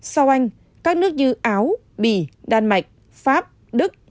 sau anh các nước như áo bỉ đan mạch pháp đức